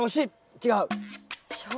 違う？